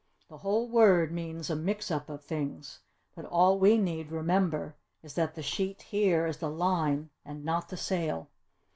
The whole word means a mixup of things but all we need remember is that the sheet here is the line and not the sail."